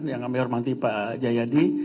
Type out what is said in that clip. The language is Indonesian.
yang kami hormati pak jayadi